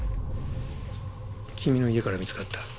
君の家から見つかった。